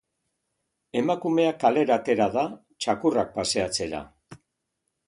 Emakumea kalera atera da, txakurrak paseatzera.